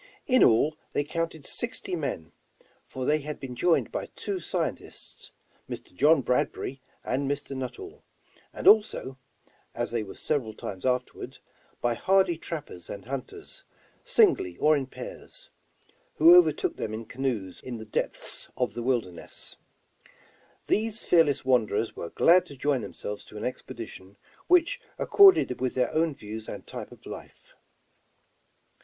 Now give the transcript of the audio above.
In all they counted sixty men, for they had been joined by two scientists, Mr. John Bradbury and Mr. Nuttall; and also, — as they were several times afterward, — by hardy trappers and hunters, singly or in pairs, who overtook them in canoes or in the depths of the wilderness. These fearless wanderers were glad to join themselves to an expedition which accorded with their own views and type of life.